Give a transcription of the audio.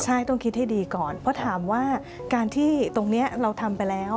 ใช่ต้องคิดให้ดีก่อนเพราะถามว่าการที่ตรงนี้เราทำไปแล้ว